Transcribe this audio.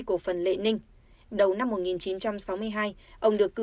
cổ phần lệ ninh